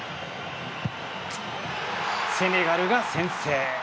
セネガルが先制！